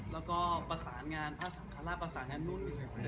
แล้วก็ประสานงานพระสังฆราชประสานงานนู่น